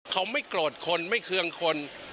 เขาไม่โกรธคนไม่เคืองคน